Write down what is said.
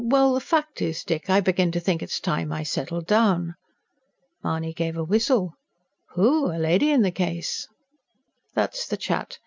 Well, the fact is, Dick, I begin to think it's time I settled down." Mahony gave a whistle. "Whew! A lady in the case?" "That's the chat.